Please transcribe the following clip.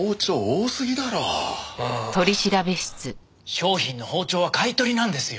商品の包丁は買い取りなんですよ。